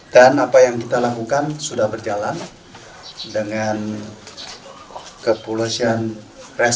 dan apa yang kita lakukan sudah berjalan dengan kepolisian resort jakarta utara